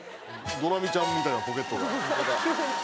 ドラミちゃんみたいなポケットが。